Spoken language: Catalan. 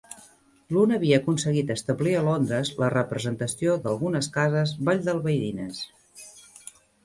L'un havia aconseguit establir a Londres la representació d'algunes cases valldalbaidines.